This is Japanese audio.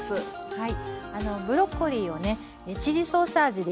はい。